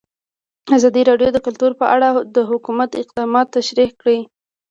ازادي راډیو د کلتور په اړه د حکومت اقدامات تشریح کړي.